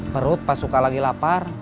perut pas suka lagi lapar